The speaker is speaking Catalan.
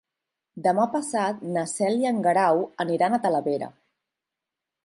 Demà passat na Cel i en Guerau aniran a Talavera.